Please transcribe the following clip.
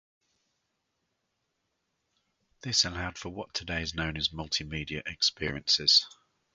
This allowed for what today is known as multimedia experiences.